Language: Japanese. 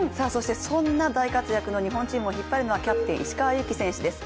そんな大活躍の日本チームを引っ張るのはキャプテン・石川祐希選手です。